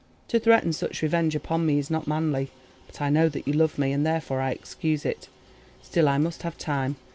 To threaten such revenge upon me is not manly, but I know that you love me, and therefore I excuse it. Still, I must have time.